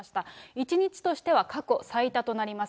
１日としては、過去最多となります。